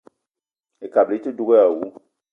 Ekabili i te dug èè àwu